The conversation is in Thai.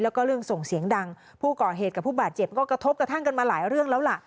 แล้วก็เรื่องส่งเสียงดังผู้ก่อเหตุกับผู้บาดเจ็บก็กระทบกระทั่งกันมาหลายเรื่องแล้วล่ะ